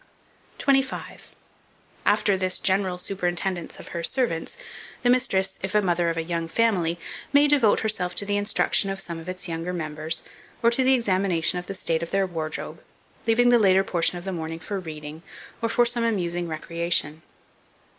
25. AFTER THIS GENERAL SUPERINTENDENCE of her servants, the mistress, if a mother of a young family, may devote herself to the instruction of some of its younger members, or to the examination of the state of their wardrobe, leaving the later portion of the morning for reading, or for some amusing recreation.